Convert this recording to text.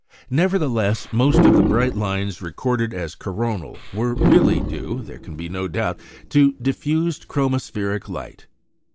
Nevertheless, most of the bright lines recorded as coronal were really due, there can be no doubt, to diffused chromospheric light.